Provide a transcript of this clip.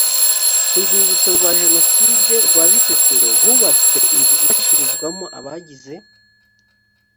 ku rwibutso rwa jenoside rwa bisesero hubatswe inzu ifashirizwamo abagize